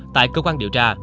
tại cơ quan điều tra